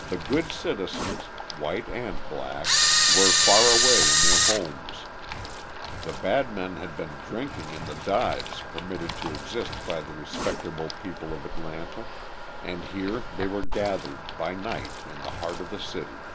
The good citizens, white and black, were far away in their homes; the bad men had been drinking in the dives permitted to exist by the respectable people of Atlanta; and here they were gathered, by night, in the heart of the city.